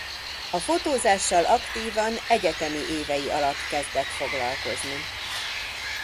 A fotózással aktívan egyetemi évei alatt kezdett foglalkozni.